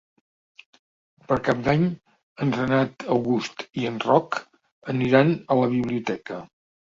Per Cap d'Any en Renat August i en Roc aniran a la biblioteca.